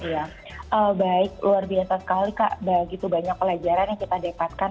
ya baik luar biasa sekali kak begitu banyak pelajaran yang kita dapatkan